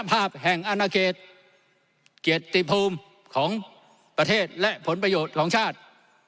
ภาพแห่งอนาเขตเกียรติเกียรติภูมิของประเทศและผลประโยชน์ของชาติ